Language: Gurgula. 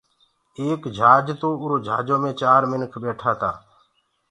ايڪ جھاجِ تو اُرو جھآجو مي چآر منک ٻيٺآ تآ